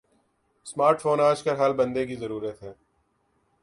smart phone آج کل ہر بندے کی ضرورت ہے